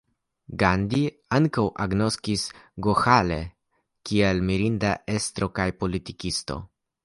Gandhi ankaŭ agnoskis Goĥale kiel mirinda estro kaj politikisto.